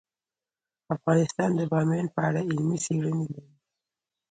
افغانستان د بامیان په اړه علمي څېړنې لري.